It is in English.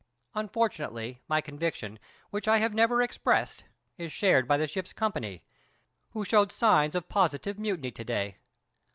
Unfortunately, my conviction, which I have never expressed, is shared by the ship's company, who showed signs of positive mutiny to day.